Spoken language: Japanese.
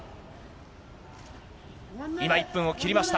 今１分を切りました。